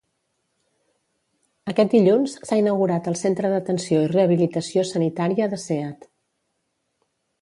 Aquest dilluns s'ha inaugurat el Centre d'Atenció i Rehabilitació Sanitària de Seat.